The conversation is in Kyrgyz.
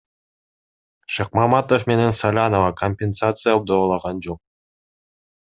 Шыкмаматов менен Салянова компенсация доолаган жок.